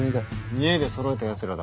見えでそろえたやつらだ。